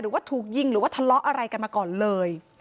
หรือว่าถูกยิงหรือว่าทะเลาะอะไรกันมาก่อนเลย